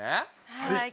はい。